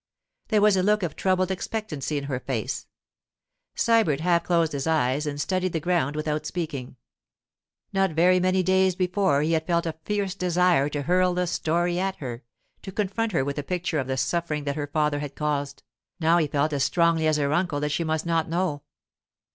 There was a look of troubled expectancy in her face. Sybert half closed his eyes and studied the ground without speaking. Not very many days before he had felt a fierce desire to hurl the story at her, to confront her with a picture of the suffering that her father had caused; now he felt as strongly as her uncle that she must not know.